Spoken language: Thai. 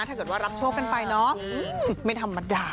ถ้าเกิดว่ารับโชคกันไปเนาะไม่ธรรมดา